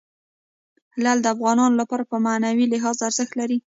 لعل د افغانانو لپاره په معنوي لحاظ ارزښت لري.